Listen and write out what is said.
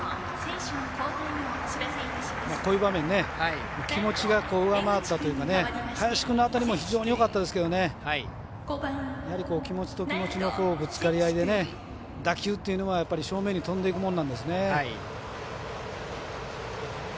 こういう場面気持ちが上回ったというか林君の当たりも非常によかったですけど気持ちと気持ちのぶつかり合いで打球というのは正面に飛んでいくものなんですね。